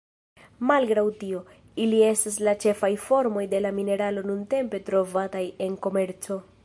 Malgraŭ tio, ili estas la ĉefaj formoj de la mineralo nuntempe trovataj en komerco.